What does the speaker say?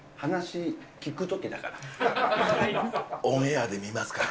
オンエアで見ますから。